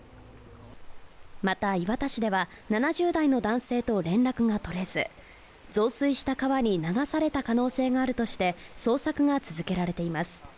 また、磐田市では７０代の男性と連絡が取れず、増水した川に流された可能性があるとして捜索が続けられています。